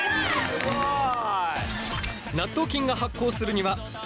すごい！